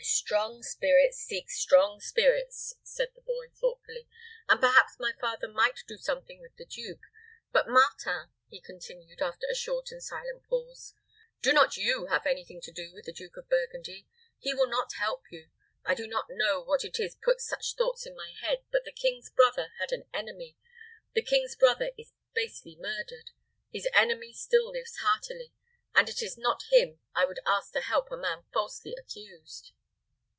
"Strong spirits seek strong spirits," said the boy, thoughtfully; "and perhaps my father might do something with the duke. But Martin," he continued, after a short and silent pause, "do not you have any thing to do with the Duke of Burgundy! He will not help you. I do not know what it is puts such thoughts in my head. But the king's brother had an enemy; the king's brother is basely murdered; his enemy still lives heartily; and it is not him I would ask to help a man falsely accused.